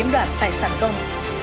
đoạn tài sản công